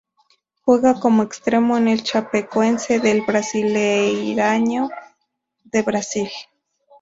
Juega como extremo en el Chapecoense del Brasileirão de Brasil.